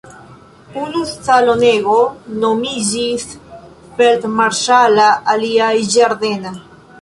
Unu salonego nomiĝis "feldmarŝala" alia "ĝardena".